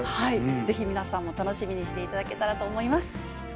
ぜひ皆さんも楽しみにしていただけたらと思います。